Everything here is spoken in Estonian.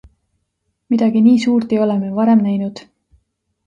Midagi nii suurt ei ole me varem näinud.